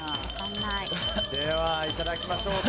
ではいただきましょうか。